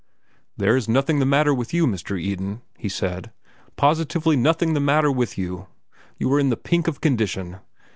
"There is nothing the matter with you, Mr. Eden," he said, "positively nothing the matter with you. You are in the pink of condition.